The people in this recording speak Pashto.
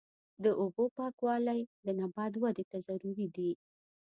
د اوبو پاکوالی د نبات ودې ته ضروري دی.